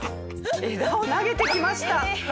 枝を投げてきました。